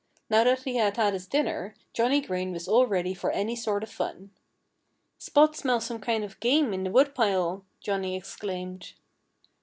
Now that he had had his dinner, Johnnie Green was all ready for any sort of fun. "Spot smells some kind of game in the woodpile!" Johnnie exclaimed.